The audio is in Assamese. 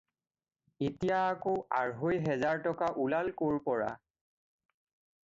এতিয়া আকৌ আঢ়ৈ হেজাৰ টকা ওলাল ক'ৰ পৰা?